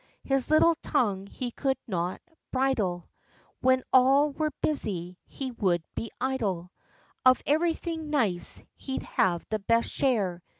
His little tongue he could not bridle; When all were busy, he would be idle ; Of every thing nice he'd have the best share.